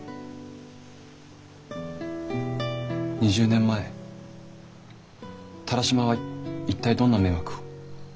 ２０年前田良島は一体どんな迷惑を。